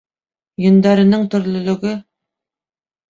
Йөндәренең төрлөлөгө!